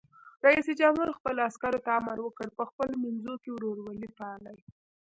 رئیس جمهور خپلو عسکرو ته امر وکړ؛ په خپلو منځو کې ورورولي پالئ!